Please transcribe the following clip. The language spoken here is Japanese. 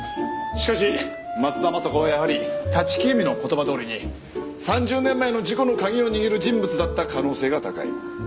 しかし松田雅子はやはり立木由美の言葉どおりに３０年前の事故の鍵を握る人物だった可能性が高い。